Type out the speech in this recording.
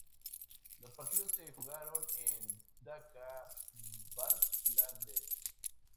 Los partidos se jugaron en Dhaka, Bangladesh.